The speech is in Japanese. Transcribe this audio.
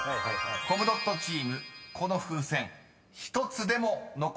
［コムドットチームこの風船１つでも残せれば勝利］